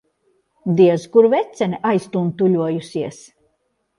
Diez kur vecene aiztuntuļojusies.